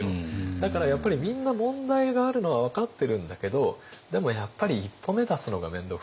だからやっぱりみんな問題があるのは分かってるんだけどでもやっぱり一歩目出すのがめんどくさい。